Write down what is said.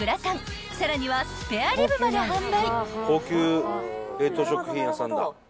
さらにはスペアリブまで販売］